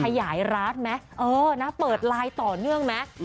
ขยายร้านไหมเออนะเปิดไลน์ต่อเนื่องไหม